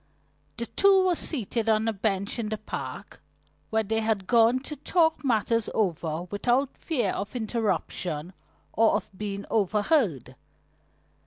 The two were seated on a bench in the park, where they had gone to talk matters over without fear of interruption or of being overheard.